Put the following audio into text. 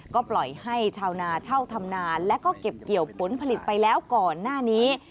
ก็ปล่อยให้ชาวนาเช่าทำนานและก็เก็บเกี่ยวผลผลิตไปแล้วก่อนหน้านี้